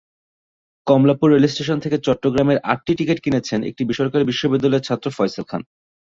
Kamalapur rail station থেকে চট্টগ্রামের আটটি টিকিট কিনেছেন একটি বেসরকারি বিশ্ববিদ্যালয়ের ছাত্র ফয়সাল খান।